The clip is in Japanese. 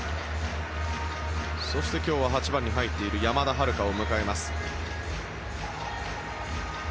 そして今日は８番に入っている山田遥楓を迎えます。